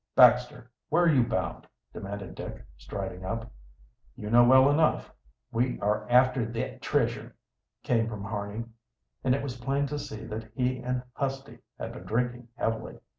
"Baxter, where are you bound?" demanded Dick, striding up. "You know well enough." "We are after thet treasure," came from Harney, and it was plain to see that he and Husty had been drinking heavily.